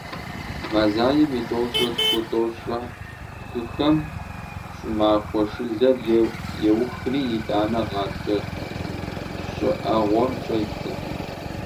Мазаем и тӏощӏрэ тху-тӏощӏрэ хыхэм щӀымахуэ шылэр еухри, итӏанэ гъатхэ щӀыӀэгъуэм щӀедзэ.